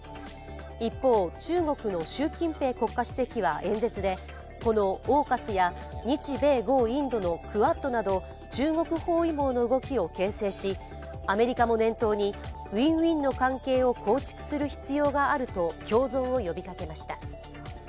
一方、中国の習近平国家主席は演説でこのＡＵＫＵＳや日米豪インドのクアッドなど中国包囲網の動きをけん制し、アメリカも念頭にウィンウィンの関係を構築する必要があると共存を呼びかけました。